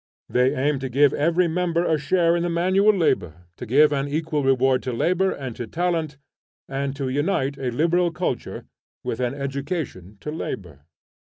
They aim to give every member a share in the manual labor, to give an equal reward to labor and to talent, and to unite a liberal culture with an education to labor.